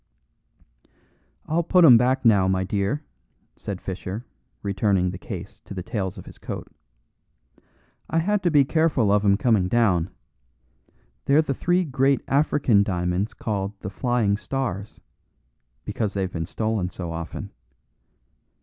"I'll put 'em back now, my dear," said Fischer, returning the case to the tails of his coat. "I had to be careful of 'em coming down. They're the three great African diamonds called 'The Flying Stars,' because they've been stolen so often.